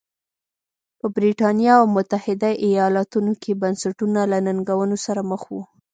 په برېټانیا او متحده ایالتونو کې بنسټونه له ننګونو سره مخ وو.